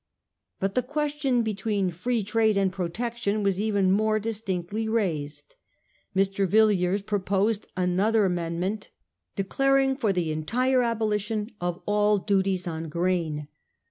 But the question between Pree Trade and Protection was even more distinctly raised. Mr. Yilliers pro posed another amendment declaring for the entire abolition of all duties on grain.